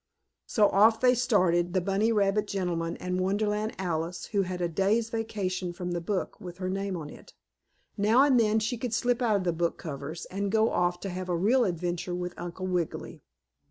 So off they started, the bunny rabbit gentleman and Wonderland Alice who had a day's vacation from the book with her name on it. Now and then she could slip out of the book covers and go off to have a real adventure with Uncle Wiggily.